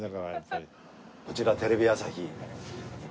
こちらテレビ朝日。